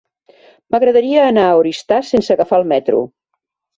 M'agradaria anar a Oristà sense agafar el metro.